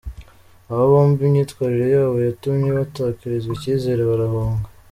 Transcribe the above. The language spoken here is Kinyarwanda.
Aba bombi imyitwarire yabo yatumye batakarizwa icyizere, barahunga.